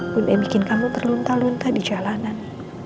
bunda yang bikin kamu terluntar luntar di jalanan